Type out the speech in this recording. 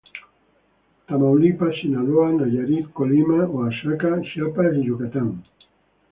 Tamaulipas, Sinaloa, Nayarit, Colima, Oaxaca, Chiapas, Yucatán.